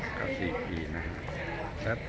จะเข้า๔ปีนะครับแล้วจะทำต่อไปไหม